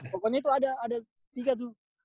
pokoknya itu ada tiga tuh